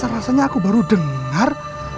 rasanya aku baru dengar